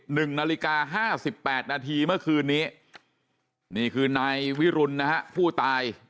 หนึ่งนาฬิกาห้าสิบแปดนาทีเมื่อคืนนี้นี่คือนายวิรุณนะฮะผู้ตาย